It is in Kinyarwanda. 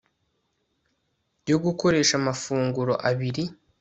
yo Gukoresha Amafunguro Abiri